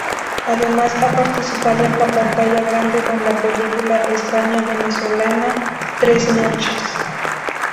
Además, ha participado en la pantalla grande con la película Española-Venezolana "Tres noches".